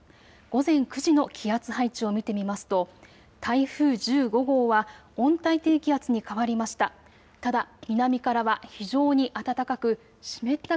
午前９時の気圧配置を見てみますと台風１５号は温帯低気圧に変わりました。